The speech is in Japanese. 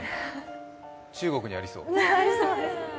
中国にありそう。